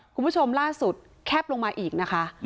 คุณผู้ชมล่าสุดแคบลงมาอีกนะคะ